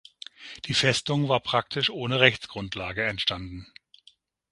Die Festung war praktisch ohne Rechtsgrundlage entstanden.